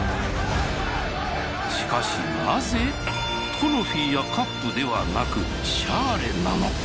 しかしなぜトロフィーやカップではなくシャーレなのか？